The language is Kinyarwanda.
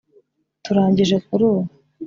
turangije kurubu